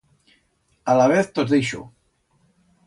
Alavez tos deixo.